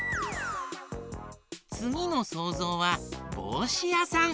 つぎのそうぞうはぼうしやさん。